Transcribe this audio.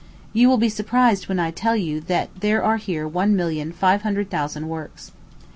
You will be surprised when I tell you that there are here one million five hundred thousand works.